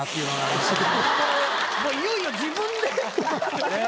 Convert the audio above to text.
いよいよ自分で。